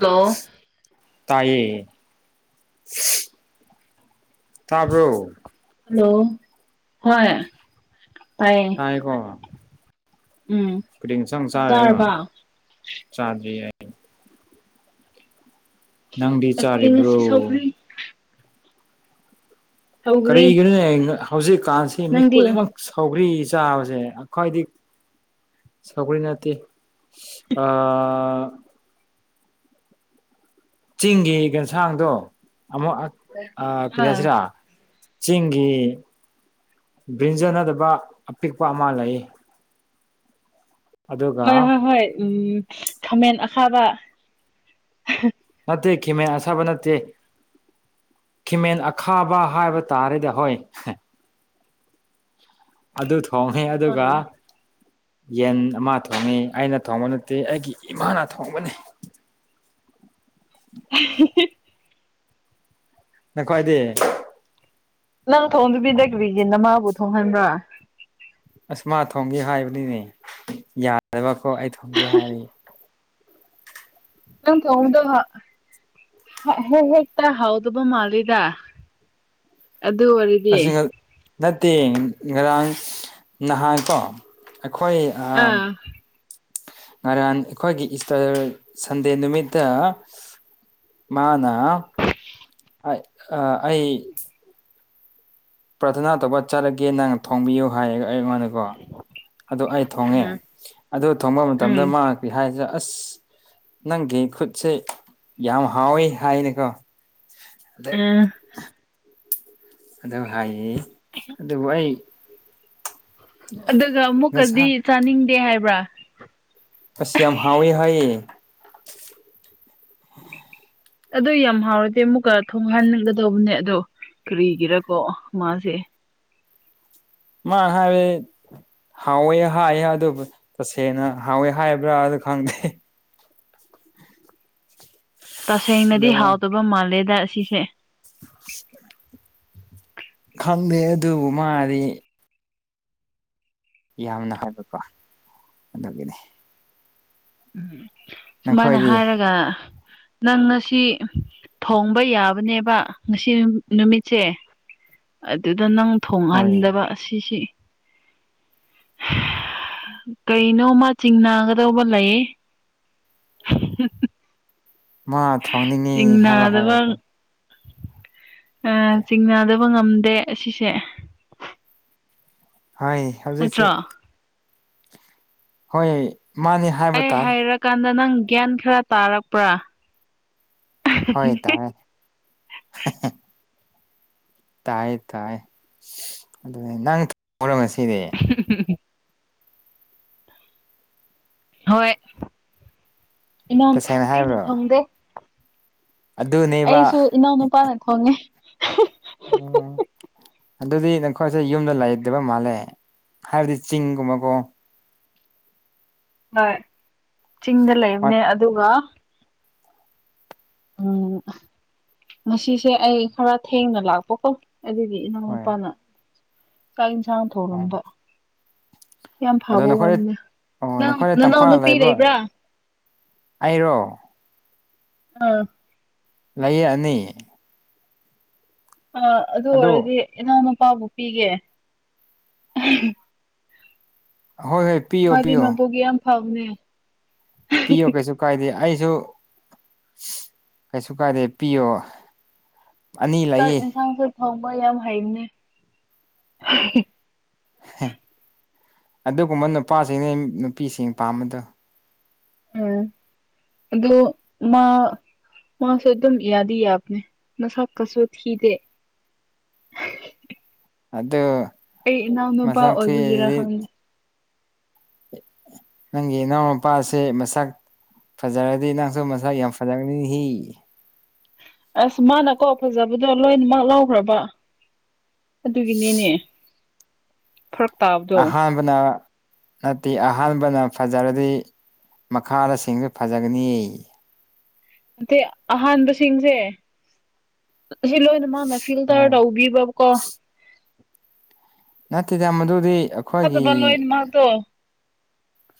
Hello. ꯇꯥꯏꯌꯦ꯫ ꯇꯥꯕ꯭ꯔꯣ꯫ Hello ꯍꯣꯏ ꯇꯥꯏꯌꯦ꯫ ꯇꯥꯏꯀꯣ ꯎꯝ ꯀꯔꯤ ꯏꯟꯁꯥꯡ ꯆꯥꯛ ꯆꯥꯔꯦꯒ ꯆꯥꯔꯕ ꯆꯥꯗ꯭ꯔꯤꯌꯦ ꯅꯪꯗꯤ ꯑꯩꯈꯣꯏ ꯆꯥꯔꯤꯕ꯭ꯔꯣ꯫ ꯉꯁꯤ ꯁꯧꯒ꯭ꯔꯤ ꯁꯧꯒ꯭ꯔꯤ ꯀꯔꯤꯒꯤꯅꯣꯅꯦ ꯍꯧꯖꯤꯛꯀꯥꯟꯁꯤ ꯃꯤ ꯅꯪꯗꯤ ꯈꯨꯗꯤꯡꯃꯛ ꯁꯧꯒ꯭ꯔꯤ ꯆꯥꯕꯁꯦ ꯑꯩꯈꯣꯏꯗꯤ ꯁꯧꯒꯔꯤ ꯅꯠꯇꯦ ꯑ ꯆꯤꯡꯒꯤ ꯌꯦꯟꯁꯥꯡꯗꯣ ꯑꯃꯨꯛ ꯑ ꯑꯥ ꯀꯔꯤꯍꯥꯏꯖꯤꯔ꯫ ꯆꯤꯡꯒꯤ ꯕ꯭ꯔꯤꯟꯖꯥꯟ ꯅꯠꯇꯕ ꯑꯄꯤꯛꯄ ꯑꯃ ꯂꯩꯌꯦ꯫ ꯍꯣꯏ ꯍꯣꯏ ꯍꯣꯏ ꯎꯝ ꯈꯥꯃꯦꯟ ꯑꯈꯥꯕ꯫ ꯅꯠꯇꯦ ꯈꯤꯃꯦꯟ ꯑꯁꯥꯕ ꯅꯠꯇꯦ꯫ ꯈꯤꯃꯦꯟ ꯑꯈꯥꯕ ꯍꯥꯏꯕ ꯇꯥꯔꯦꯗ ꯑꯀꯈꫭꯏ꯫ ꯑꯗꯨ ꯊꯣꯡꯉꯦ ꯑꯗꯨꯒ ꯑꯥ ꯌꯦꯟ ꯑꯃ ꯊꯣꯡꯉꯤ ꯑꯩꯅ ꯊꯣꯡꯕ ꯅꯠꯇꯦ ꯑꯩꯒꯤ ꯏꯃꯥꯅ ꯊꯣꯡꯕꯅꯤ꯫ [unintelligible] ꯅꯈꯣꯏꯗꯤ꯫ ꯅꯪ ꯊꯣꯡꯗꯕꯤꯗ ꯀꯔꯤꯒꯤ ꯅꯃꯥꯕꯨ ꯊꯣꯡꯍꯟꯕ꯭ꯔꯥ꯫ ꯑꯁ ꯃꯥ ꯊꯣꯡꯒꯦ ꯍꯥꯏꯕꯅꯤꯅꯦ ꯌꯥꯗꯕꯀꯣ ꯑꯩ ꯊꯣꯡꯒꯦ ꯍꯥꯏꯔꯤ꯫ ꯅꯪ ꯊꯣꯡꯕꯗꯣ ꯍꯦꯛ ꯍꯦꯛꯇ ꯍꯥꯎꯇꯕ ꯃꯥꯜꯂꯤꯗ꯫ ꯑꯗꯨ ꯋꯥꯔꯤ ꯑꯁꯤ ꯅꯠꯇꯦ ꯉꯔꯥꯡ ꯅꯍꯥꯟ ꯀꯣ ꯑꯩꯈꯣꯏ ꯑꯥ ꯉꯔꯥꯟ ꯑꯩꯈꯣꯏꯒꯤ ꯏꯁꯇꯔ ꯁꯟꯗꯦ ꯅꯨꯃꯤꯠꯇ ꯃꯥꯅꯥ ꯑ ꯑꯩ ꯄ꯭ꯔꯊꯅꯥ ꯇꯧꯕ ꯆꯠꯂꯒꯦ ꯅꯪꯅ ꯊꯣꯡꯕꯤꯌꯨ ꯍꯥꯏꯔꯒ ꯑꯩꯉꯣꯟꯗ ꯑꯗꯨ ꯑꯩ ꯎꯝ ꯊꯣꯡꯉꯦ ꯎꯝ ꯑꯗꯨ ꯊꯣꯡꯕ ꯃꯇꯝꯗ ꯃꯥ ꯀ [unintelligible] ꯍꯥꯏꯁꯦ ꯑꯁ ꯅꯪꯒꯤ ꯈꯨꯠꯁꯦ ꯌꯥꯝ ꯍꯥꯎꯋꯦ ꯍꯥꯏꯅꯤꯀꯣ ꯎꯝ ꯑꯗꯨ ꯍꯥꯏꯌꯦ ꯑꯗꯨꯕꯨ ꯑꯩ ꯑꯗꯨꯒ ꯑꯃꯨꯛꯀꯗꯤ ꯉꯁꯥ ꯆꯥꯅꯤꯡꯗꯦ ꯍꯥꯏꯕ꯭ꯔꯥ ꯑꯁ ꯌꯥꯝ ꯍꯥꯎꯋꯦ ꯍꯥꯎꯌꯦ ꯑꯗꯨ ꯌꯥꯝ ꯍꯥꯎꯔꯗꯤ ꯑꯃꯨꯛꯀ ꯊꯣꯡꯍꯟꯒꯗꯧꯕꯅꯦ ꯑꯗꯣ ꯀꯔꯤꯒꯤꯔꯀꯣ ꯃꯥꯁꯦ ꯃꯥ ꯍꯥꯏꯔ‌ꯦ ꯍꯥꯎꯋꯦ ꯍꯥꯏꯌꯦ ꯑꯗꯨꯕꯨ ꯇꯁꯦꯡꯅ ꯍꯥꯎꯋꯦ ꯍꯥꯏꯕ꯭ꯔꯥ ꯑꯗꯨ ꯈꯪꯗꯦ ꯑꯗꯨ ꯇꯁꯦꯡꯅꯗꯤ ꯍꯥꯎꯗꯕ ꯃꯥꯜꯂꯦꯗ ꯑꯁꯤꯁꯦ ꯈꯪꯗꯦ ꯑꯗꯨꯕꯨ ꯃꯥꯗꯤ ꯌꯥꯝꯅ ꯍꯥꯏꯕꯀꯣ ꯑꯗꯨꯒꯤꯅꯤ ꯎꯝ ꯁꯨꯃꯥꯏꯅ ꯅꯈꯣꯏꯗꯤ ꯍꯥꯏꯔꯒ ꯅꯪ ꯉꯁꯤ ꯊꯣꯡꯕ ꯌꯥꯕꯅꯦꯕ ꯉꯁꯤ ꯅꯨꯃꯤꯠꯁꯦ ꯑꯗꯨꯗ ꯅꯪ ꯍꯣꯏ ꯊꯣꯡꯍꯟꯗꯕ ꯑꯁꯤꯁꯤ ꯀꯩꯅꯣꯝꯃ ꯆꯤꯡ ꯅꯥꯒꯗꯧꯕ ꯂꯩꯌ‌ꯦ ꯃꯥ ꯊꯣꯡꯅꯤꯡꯉꯤ ꯍꯥꯏꯕ ꯍꯥꯏꯕꯗꯣ [unintelligible] ꯑ ꯆꯤꯡꯅꯗꯕ ꯉꯝꯗꯦ ꯑꯁꯤꯁꯦ ꯍꯥꯏ ꯍꯧꯖꯤꯛꯁꯤ ꯅꯠꯇ꯭ꯔꯣ ꯍꯣꯏ ꯃꯥꯅꯤ ꯍꯥꯏꯕ ꯇꯥꯔꯦ ꯀꯥꯟꯗ ꯅꯪ ꯒ꯭ꯌꯥꯟ ꯈꯔ ꯇꯥꯔꯛꯄ꯭ꯔꯥ ꯍꯣꯏ ꯇꯥꯔꯦ ꯇꯥꯏꯌ‌ꯦ ꯇꯥꯏ ꯑꯗꯨꯗꯤ ꯅꯪꯔꯝꯁꯤꯗꯤ [unintelligible] [unintelligible] [inaudible] ꯍꯣꯏ ꯏꯅꯥ ꯇꯁꯦꯡꯅ ꯑꯩꯅ ꯍꯥꯏꯕ꯭ꯔꯣ ꯊꫭꯡꯗꯦ ꯑꯗꯨꯅꯦꯕ ꯑꯩꯁꯨ ꯏꯅꯥꯎ ꯅꯨꯨꯄꯥꯅ ꯊꫭꯡꯉꯦ ꯎꯝ ꯑꯗꯨꯗꯤ ꯅꯈꯣꯏꯁꯦ ꯌꯨꯝꯗ ꯂꯩꯇꯕ ꯃꯥꯜꯂꯦ ꯍꯥꯏꯕꯗꯤ ꯆꯤꯡꯒꯨꯝꯕꯀꯣ ꯍꯣꯏ ꯆꯤꯡꯗ ꯂꯩꯕꯅꯦ ꯑꯗꯨꯒ ꯎꯝ ꯉꯁꯤꯁ‌ꯦ ꯑꯩ ꯈꯔ ꯊꯦꯡꯅ ꯂꯥꯛꯄꯀꯣ ꯑꯗꯨꯒꯤ ꯍꯣꯏ ꯏꯅꯥꯎꯅꯄꯥꯅ ꯆꯥꯛ ꯌꯦꯟꯁꯥꯡ ꯎꯝ ꯊꫭꯡꯉꯝꯕ ꯌꯥꯝ ꯑꯗꯣ ꯐꯥꯕ ꯅꯈꯣꯏ ꯋꯥꯅꯤꯅꯦ ꯑꯣ ꯅꯪ ꯅꯈꯣꯏꯅ ꯅꯅꯥꯎ ꯇꯝꯄꯥꯛ ꯅꯨꯄꯤ ꯂꯩꯕ꯭ꯔꯣ ꯂꯩꯕ꯭ꯔꯥ ꯑꯩꯔꯣ ꯑꯥ ꯂꯩꯌꯦ ꯑꯅꯤ ꯑ ꯑꯗꯨ ꯑꯣꯏꯔꯗꯤ ꯏꯅꯥꯎꯅꯨꯄꯥꯕꯨ ꯄꯤꯒꯦ ꯑ ꯍꯣꯏ ꯄꯤꯌꯣ ꯃꯗꯤ ꯄꯤꯌꯣ ꯃꯕꯨꯛ ꯌꯥꯝ ꯐꯕꯅꯦ ꯄꯤꯌꯣ ꯀꯩꯁꯨ ꯀꯥꯏꯗꯦ ꯑꯩꯁꯨ ꯀꯩꯁꯨ ꯀꯥꯏꯗꯦ ꯄꯤꯌꯣ ꯑꯅꯤ ꯆꯥꯛ ꯂꯩꯌꯦ ꯌꯦꯟꯁꯥꯡꯁꯨ ꯊ‌ꯣꯡꯕ ꯌꯥꯝ ꯍꯩꯕꯅꯦ ꯑꯗꯨꯒꯨꯝꯕ ꯅꯨꯄꯥꯁꯤꯡꯅ‌ꯦ ꯅꯨꯄꯤꯁꯤꯡ ꯄꯥꯝꯕꯗꯣ ꯎꯝ ꯑꯗ‌ꯣ ꯃꯥ ꯃꯥꯁ‌ꯦ ꯑꯗꯨꯝ ꯏꯌꯥꯗꯤ ꯌꯥꯕꯅꯦ ꯃꯁꯛ ꯀꯁꯨ ꯊꯤꯗꯦ ꯑꯗ‌‌ꯣ ꯑꯩ ꯏꯅꯥꯎꯅꯨꯄꯥ ꯃꯁꯥꯛ ꯑꯣꯏꯕꯒꯤꯔ ꯊꯤꯖꯤꯗꯤ ꯈꯪꯗꯦ ꯅꯪꯒꯤ ꯏꯅꯥꯎ ꯅꯨꯄꯥꯁꯦ ꯃꯁꯥꯛ ꯐꯖꯔꯗꯤ ꯅꯪꯁꯨ ꯃꯁꯥꯛ ꯌꯥꯝ ꯐꯖꯒꯅꯤ ꯍꯤ ꯑꯁ ꯃꯥꯅꯀꯣ ꯐꯖꯕꯗꯣ ꯂꯣꯏꯅꯃꯛ ꯂꯧꯈ꯭ꯔꯕ ꯑꯗꯨꯒꯤꯅꯤꯅꯦ ꯐꯔꯛ ꯇꯥꯕ ꯑꯍꯥꯟꯕꯅ ꯅꯠꯇꯦ ꯑꯍꯥꯟꯕꯅ ꯐꯖꯔꯗꯤ ꯃꯈꯥꯗ ꯁꯤꯡꯁꯨ ꯐꯖꯒꯅꯤ ꯌ‌ꯦ ꯅꯇ‌ꯦ ꯑꯍꯥꯟꯕꯁꯤꯡꯁꯦ ꯁꯤ ꯂꯣꯏꯅ ꯃꯥꯅ ꯐꯤꯜꯇꯔ ꯍꯣꯏ ꯇꯧꯕꯤꯕ ꯀꯣ ꯅꯠꯇ‌ꯦꯗ ꯃꯗꯨꯗꯤ ꯐꯠꯇꯕ ꯑꯩꯈꯣꯏꯒꯤ ꯂꯣꯏꯅ ꯃꯛꯇꯣ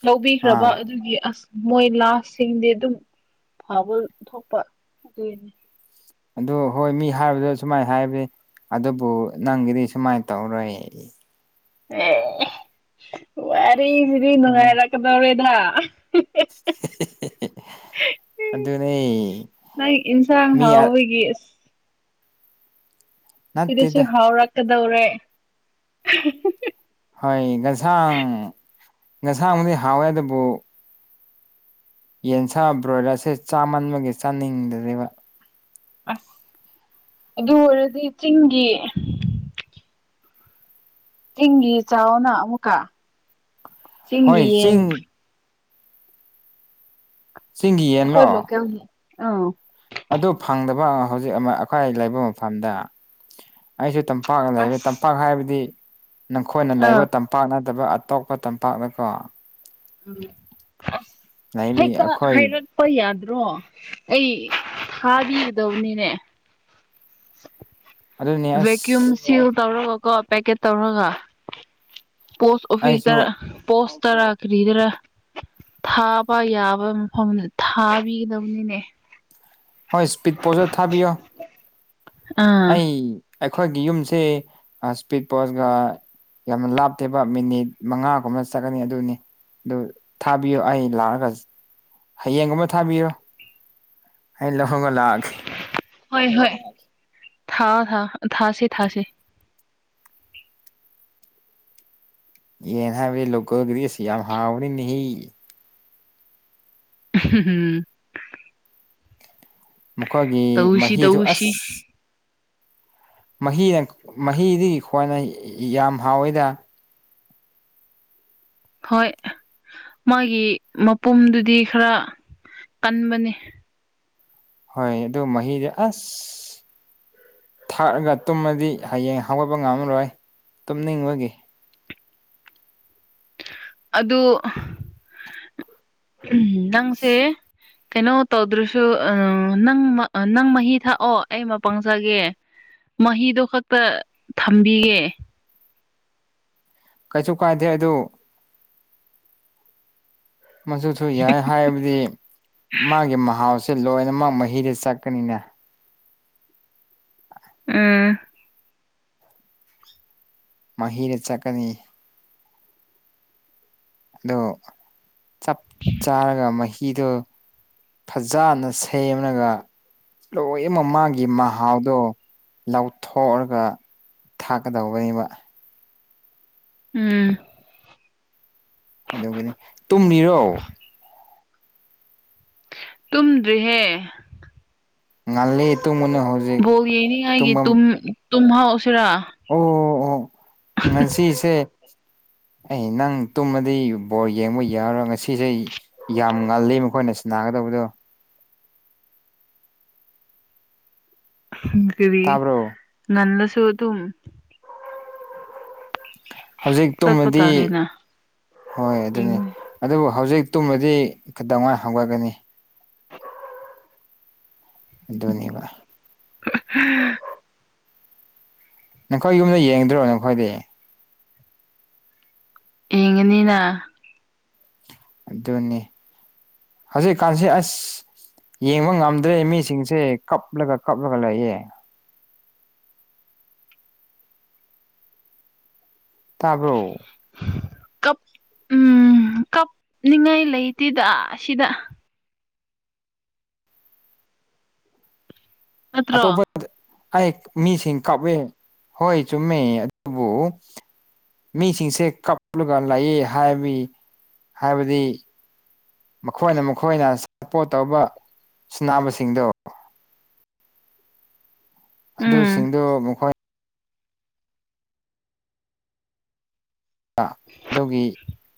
ꯂꯧꯕꯤꯈ꯭ꯔꯕ ꯑꯥ ꯑꯗꯨꯒꯤ ꯑꯁ ꯃꯣꯏ ꯂꯥꯁꯁꯤꯡꯗꯤ ꯑꯗꯨꯝ ꯐꯕ ꯊꯣꯛꯄ ꯑꯗꯨꯏꯅ‌ꯦ ꯑꯗ‌ꯣ ꯍꯣꯏ ꯃꯤ ꯍꯥꯏꯕꯗ ꯁꯨꯃꯥꯏ ꯍꯥꯏꯕꯅ‌ꯦ ꯑꯗꯨꯕꯨ ꯅꯪꯒꯤꯗꯤ ꯁꯨꯃꯥꯏ ꯇꯧꯔꯣꯏ ꯑꯦ ꯋꯥꯔꯤꯖꯤꯗꯤ ꯅꯨꯡꯉꯥꯏꯔꯛꯀ ꯗ‌ꯧꯔꯦꯗ [unintelligible] ꯑꯗꯨꯅꯦ ꯅꯪ ꯏꯟꯁꯥꯡ ꯃꯤ ꯑ ꯍꯥꯎꯕꯒꯤ ꯑꯁ ꯁꯤꯗꯁꯨ ꯅꯠꯇꯦꯗ ꯍꯥꯎꯔꯛꯀꯗꯧꯔꯦ ꯍꯣꯏ ꯉꯁꯥꯡ ꯉꯁꯥꯡꯕꯨꯗꯤ ꯍꯥꯎꯋꯦ ꯑꯗꯨꯕꯨ ꯌꯦꯟꯁꯥ ꯕ꯭ꯔꯣꯏꯂꯔꯁꯦ ꯆꯥꯃꯟꯕꯒꯤ ꯆꯥꯅꯤꯡꯗꯔ‌ꯦꯕ ꯑꯁ ꯑꯗꯨ ꯑꯣꯏꯔꯗꯤ ꯆꯤꯡꯒꯤ ꯆꯤꯡꯒꯤ ꯆꯥꯎꯑ‌ꯣꯅ ꯑꯃꯨꯛꯀ ꯆꯤꯡꯒꯤ ꯍꯣꯏ ꯌꯦꯟ ꯆꯤꯡ ꯆꯤꯡꯒꯤ ꯑꯈ‌ꯣꯏ ꯌꯦꯟꯂꯣ ꯂ‌ꯣꯀ‌ꯦꯜꯒꯤ ꯑ ꯑꯗꯨ ꯐꯪꯗꯕ ꯍꯧꯖꯤꯛ ꯑꯃ ꯑꯩꯈ꯭ꯣꯏ ꯂꯩꯕ ꯃꯐꯝꯗ ꯑꯩꯁꯨ ꯇꯝ ꯄꯥꯛꯅ ꯂꯩꯕ ꯑꯁ ꯇꯝꯄꯥꯛ ꯍꯥꯏꯕꯗꯤ ꯅꯪꯈꯣꯏꯅ ꯑꯥ ꯂꯩꯕ ꯇꯝꯄꯥꯛ ꯄꯥꯛ ꯅꯠꯇꯕ ꯑꯇꯣꯞꯄ ꯇꯝꯄꯥꯛꯅ‌ꯦ ꯀꯣ ꯂꯩꯕꯤ ꯍꯩꯄꯥ ꯑꯩꯈꯣꯏ ꯍꯥꯏꯔꯛ ꯍꯣꯏ ꯌꯥꯗ꯭ꯔꯣ ꯑꯩ ꯊꯥꯕꯤꯒꯗ‌ꯧꯕꯅꯤꯅꯦ ꯑꯗꯨꯅꯤ ꯚꯦꯀ꯭ꯌꯨꯝ ꯑꯁ ꯁꯤꯜ ꯇꯧꯔꯒ ꯀꯣ ꯄꯦꯛꯀꯦꯠ ꯇꯧꯔꯒ ꯄꯣꯁ ꯑꯩꯁꯨ ꯑꯣꯐꯤꯁꯇꯔ ꯄꯣꯁꯇꯔꯥ ꯀꯔꯤꯗꯔꯥ ꯊꯥꯕ ꯌꯥꯕ ꯃꯐꯝꯅꯤ ꯊꯥꯕꯤꯒꯗꯕꯅꯤꯅꯦ ꯍꯣꯏ ꯏꯁ꯭ꯄꯤꯠ ꯄ꯭ꯔꯣꯖꯔ ꯊꯥꯕꯤꯌꯣ ꯑꯥ ꯑꯩ ꯑꯩꯈꯣꯏꯒꯤ ꯌꯨꯝꯁꯦ ꯑꯩ ꯏꯁꯄꯤꯠ ꯄꯣꯁꯒ ꯌꯥꯝꯅ ꯂꯥꯞꯇꯦꯕ ꯃꯤꯅꯤꯠ ꯃꯉꯥꯒꯨꯝꯅ ꯆꯠꯀꯅꯤ ꯑꯗꯨꯅꯤ ꯑꯗꯨ ꯊꯥꯕꯤꯌꯣ ꯑꯩ ꯂꯥꯛꯑꯒ ꯍꯌꯦꯡꯒꯨꯝꯕ ꯊꯥꯕꯤꯌ‌ꯣ ꯑꯩ ꯂꯧꯍꯧꯕ ꯂꯥꯛꯑꯒꯦ ꯍꯣꯏ ꯍꯣꯏ ꯊꯥꯑ‌ꯣ ꯊꯥꯑ‌ꯣ ꯊꯥꯥꯁꯤ ꯊꯥꯥꯁꯤ ꯍꯌꯦꯡ ꯍꯥꯏꯕ ꯏꯜꯂꯨ ꯀ‌ꯣ ꯒꯤꯔꯤꯁ ꯌꯥꯝ ꯍꯥꯥꯎꯅꯤꯅ‌ꯦꯍ‌‌ꯦ [unintelligible] ꯃꯈꯣꯏꯒꯤ ꯇꯧꯁꯤ ꯃꯍꯤꯗꯨ ꯇꯧꯁꯤ ꯑꯁ ꯃꯍꯤ ꯃꯍꯤꯗꯒꯤ ꯈ꯭ꯋꯥꯏꯅ ꯌꯥꯝ ꯍꯥꯎꯋꯦꯗ ꯍꯣꯏ ꯃꯥꯒꯤ ꯃꯄꯨꯝꯗꯨꯗꯤ ꯈꯔ ꯀꯟꯕꯅꯤ ꯍꯣꯏ ꯑꯗꯨꯣ ꯃꯍꯤꯗ ꯑꯁ ꯊꯥꯛꯑꯒ ꯇꯨꯝꯃꯗꯤ ꯍꯌꯦꯡ ꯍꯧꯒꯠꯄ ꯉꯝꯃꯔꯣꯏ ꯇꯨꯝꯅꯤꯡꯕꯒꯤ ꯑꯗꯨ ꯎ ꯅꯪꯁꯦ ꯀꯩꯅꯣ ꯇꯧꯗ꯭ꯔꯁꯨ ꯅꯪ ꯅꯪ ꯃꯍꯤ ꯊꯥꯛꯑꯣ ꯑꯩ ꯃꯄꯪꯖꯒꯦ ꯃꯍꯤꯗꯣ ꯈꯛꯇ ꯊꯝꯕꯤꯒꯦ ꯀꯩꯁꯨ ꯀꯥꯏꯗꯦ ꯑ ꯑꯗꯨ ꯃꯆꯨꯁꯨ ꯌꯥꯏ ꯍꯥꯏꯕꯗꯤ ꯃꯥꯒꯤ ꯃꯍꯥꯎꯁꯦ ꯂꯣꯏꯅꯃꯛ ꯃꯍꯤꯗ ꯆꯠꯀꯅꯤꯅꯦ ꯎꯝ ꯃꯍꯤꯗ ꯆꯠꯀꯅꯤ ꯑꯗꯣ ꯆꯞ ꯆꯥꯔꯒ ꯃꯍꯤꯗꯣ ꯐꯖꯅ ꯁꯦꯝꯂꯒ ꯂꯣꯏꯅꯃꯛ ꯃꯥꯒꯤ ꯃꯍꯥꯎꯗꯣ ꯂꯧꯊꯣꯛꯑꯒ ꯊꯥꯛꯀꯗꯧꯕꯅꯤꯕ ꯎꯝ ꯑꯗꯨꯒꯅꯤ ꯇꯨꯝꯃꯤꯔꯣ ꯇꯨꯝꯗ꯭ꯔꯤꯍꯦ ꯉꯜꯂꯤ ꯇꯨꯝꯒꯅꯨ ꯍꯧꯖꯤꯛ ꯕꯣꯜ ꯌꯦꯡꯅꯤꯡꯉꯥꯏꯒꯤ ꯇꯨꯝ ꯇꯨꯝꯐꯝ ꯇꯨꯝꯍꯧꯁꯤꯔꯥ ꯑꯣ ꯑꯣ ꯉꯁꯤꯁꯦ ꯑꯩ ꯅꯪ ꯇꯨꯝꯃꯗꯤ ꯕꯣꯔ ꯌꯦꯡꯕ ꯌꯥꯔꯔꯣꯏ ꯉꯁꯤꯁꯦ ꯌꯥꯝ ꯉꯜꯂꯤ ꯃꯈꯣꯏꯅ ꯁꯅꯥꯒꯗꯕꯗꯣ ꯀꯔꯤ ꯇꯥꯕ꯭ꯔꯣ ꯅꯜꯂꯁꯨ ꯑꯗꯨꯝ ꯍꯧꯖꯤꯛ ꯆꯠꯄ ꯇꯨꯝꯃꯗꯤ ꯇꯥꯔꯦꯅ ꯍꯣꯏ ꯑꯗꯨꯅꯤ ꯑꯗꯨꯕꯨ ꯍꯧꯖꯤꯛ ꯇꯨꯝꯃꯗꯤ ꯀꯩꯗꯧꯉꯩ ꯍꯧꯒꯠꯀꯅꯤ ꯑꯗꯨꯅꯦꯕ [inaudible] ꯅꯈꯣꯏ ꯌꯨꯝꯗ ꯌꯦꯡꯗ꯭ꯔꯣ ꯅꯈꯣꯏꯗꯤ ꯌꯦꯡꯉꯅꯤꯅ ꯑꯗꯨꯅꯤ ꯍꯧꯖꯤꯛꯀꯥꯟꯁꯤ ꯑꯁ ꯌꯦꯡꯕ ꯉꯝꯗ꯭ꯔꯦ ꯃꯤꯁꯤꯡꯁꯦ ꯀꯞꯂꯒ ꯀꯞꯂꯒ ꯂꯩꯌꯦ ꯇꯥꯕ꯭ꯔꯣ ꯀꯞ ꯎꯝ ꯀꯞꯅꯤꯡꯉꯥꯏ ꯂꯩꯇꯦꯗ ꯁꯤꯗ ꯅꯠꯇ꯭ꯔꯣ ꯑꯇꯣꯞꯄ ꯑꯩ ꯃꯤꯁꯤꯡ ꯀꯞꯑꯦ ꯍꯣꯏ ꯆꯨꯝꯃꯦ ꯑꯗꯨꯕꯨ ꯃꯤꯁꯤꯡꯁꯦ ꯀꯞꯂꯒ ꯂꯩꯌꯦ ꯍꯥꯏꯕꯤ ꯍꯥꯏꯕꯗꯤ ꯃꯈꯣꯏꯅ ꯃꯈꯣꯏꯅ ꯁꯞꯄꯣꯔꯠ ꯇꯧꯕ ꯁꯅꯥꯕꯁꯤꯡꯗꯣ ꯎꯝ ꯑꯗꯨꯁꯤꯡꯗꯨ ꯃꯈꯣꯏ ꯑꯗꯨꯒꯤ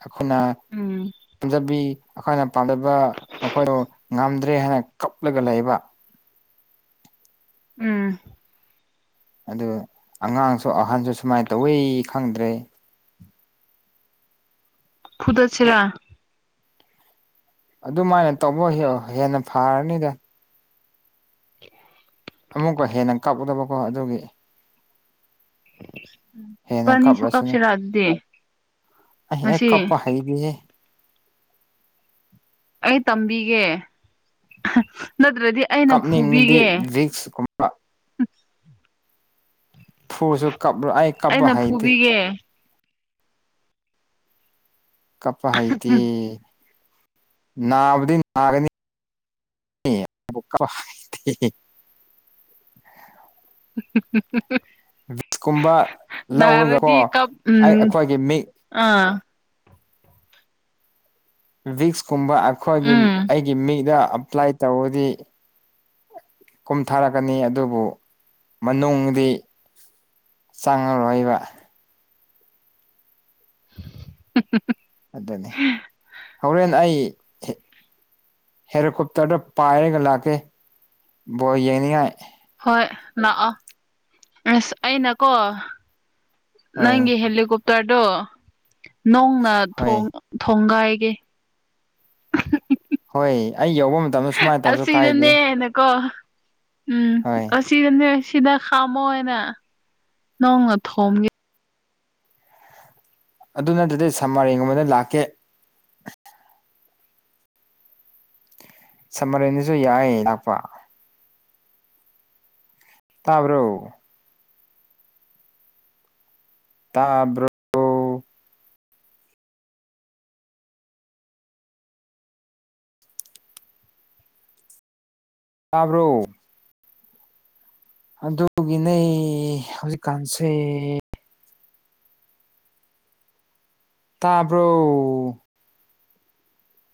ꯑꯩꯈꯣꯏꯅ ꯎꯝ ꯄꯝꯖꯕꯤ ꯑꯩꯈꯣꯏꯅ ꯄꯥꯝꯖꯕ ꯃꯈꯣꯏꯗꯣ ꯉꯝꯗ꯭ꯔꯦ ꯍꯥꯏꯅ ꯀꯞꯂꯒ ꯂꯩꯕ ꯎꯝ ꯑꯗꯨ ꯑꯉꯥꯡꯁꯨ ꯑꯍꯟꯁꯨ ꯁꯨꯃꯥꯏ ꯇꯧꯋꯦ ꯈꯪꯗ꯭ꯔꯦ ꯐꯨꯗꯠꯁꯤꯔꯥ ꯑꯗꯨꯃꯥꯏꯅ ꯇꯧꯕ ꯍꯦꯛꯑꯣ ꯍꯦꯟꯅ ꯐꯔꯅꯤꯗ [inaudible] ꯑꯃꯨꯛꯀ ꯍꯦꯟꯅ ꯀꯞꯎꯗꯕꯀꯣ ꯑꯗꯨꯒꯤ ꯍꯦꯟꯅ ꯏꯕꯥꯅꯤꯁꯨ ꯀꯞꯂꯁꯅꯨ ꯀꯥꯞꯁꯤꯔꯥ ꯑꯗꯨꯗꯤ ꯑꯩ ꯍꯦꯛ ꯉꯁꯤ ꯀꯞꯄ ꯍꯩꯗꯤꯍꯦ ꯑꯩ ꯇꯝꯕꯤꯒꯦ ꯅꯠꯇ꯭ꯔꯗꯤ ꯑꯩꯅ ꯀꯥꯞꯅꯤꯡꯉꯤꯗꯤ ꯐꯨꯕꯤꯒꯦ ꯚꯤꯛꯁ ꯀꯨꯝꯕ ꯐꯨꯁꯨ ꯀꯞꯂ ꯑꯩ ꯀꯞꯄ ꯍꯩꯇꯦ ꯌꯦ ꯀꯞꯄ ꯍꯩꯇꯦ ꯅꯥꯕꯗꯤ ꯅꯥꯒꯅꯤ ꯀꯞꯄ ꯍꯩꯇꯦ [unintelligible] [inaudible] ꯚꯤꯛꯁ ꯀꯨꯝꯕ ꯂꯧꯔꯒ ꯀꯣ ꯅꯥꯔꯗꯤ ꯀꯞ ꯑꯩ ꯎꯝ ꯑꯩꯈꯣꯏꯒꯤ ꯃꯤ ꯑꯥ ꯚꯤꯛꯁꯀꯨꯝꯕ ꯑꯩꯈꯣꯏꯒꯤ ꯎꯝ ꯑꯩꯒꯤ ꯃꯤꯗ ꯑꯦꯄ꯭ꯂꯥꯏ ꯇꯧꯔꯗꯤ ꯀꯨꯝꯊꯥꯔꯛꯀꯅꯤ ꯑꯗꯨꯕꯨ ꯃꯅꯨꯡꯗꯤ ꯆꯪꯉꯔꯣꯏꯕ [inaudible] ꯑꯗꯨꯅꯤ ꯍꯣꯔꯦꯟ ꯑꯩ ꯍꯦꯂꯤꯀꯣꯞꯇꯔꯗ ꯄꯥꯏꯔꯒ ꯂꯥꯛꯀꯦ ꯕꯣꯜ ꯌꯦꯡꯅꯤꯡꯉꯥꯏ ꯍꯣꯏ ꯂꯥꯛꯑꯣ ꯑꯁ ꯑꯩꯅꯀꯣ ꯍꯣꯏ ꯅꯪꯒꯤ ꯍꯦꯂꯤꯀꯣꯞꯇꯔꯗꯣ ꯅꯣꯡꯅ ꯍꯣꯏ ꯊꯣꯡ ꯊꯣꯡꯒꯥꯏꯒꯦ ꯍꯣꯏ ꯑꯩ ꯌꯧꯕ ꯃꯇꯝꯗ ꯁꯨꯃꯥꯏꯅ ꯇꯧꯁꯨ ꯀꯥꯏꯗꯦ ꯑꯁꯤꯅꯅꯦꯅꯀꯣ ꯎꯝ ꯍꯣꯏ ꯑꯁꯤꯗꯅꯦ ꯑꯁꯤꯗ ꯈꯥꯝꯃꯣ ꯍꯥꯏꯅ ꯅꯣꯡꯅ ꯊꯣꯝꯒꯦ ꯑꯗꯨ ꯅꯠꯇꯗꯤ ꯁꯝꯃꯔꯦꯟꯒꯨꯝꯕꯗ‌ ꯂꯥꯛꯀꯦ ꯁꯝꯃꯔꯦꯟꯗꯁꯨ ꯌꯥꯏ ꯂꯥꯛꯄ ꯇꯥꯕ꯭ꯔꯣ ꯇꯥꯕ꯭ꯔꯣ ꯇꯥꯕ꯭ꯔꯣ ꯑꯗꯨꯒꯤꯅꯦ ꯍꯧꯖꯤꯛꯀꯥꯟꯁꯦ ꯇꯥꯕ꯭ꯔꯣ